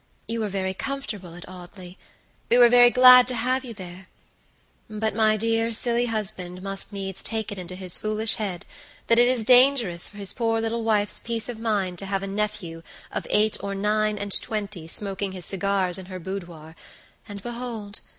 You were very comfortable at Audley; we were very glad to have you there; but, my dear, silly husband must needs take it into his foolish head that it is dangerous for his poor little wife's peace of mind to have a nephew of eight or nine and twenty smoking his cigars in her boudoir, and, behold!